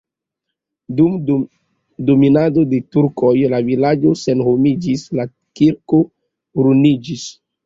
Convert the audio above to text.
Dum dominado de turkoj la vilaĝo senhomiĝis, la kirko ruiniĝis.